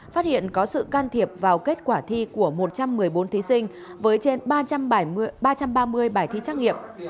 phát hiện có sự can thiệp vào kết quả thi của một trăm một mươi bốn thí sinh với trên ba trăm ba mươi bài thi trắc nghiệm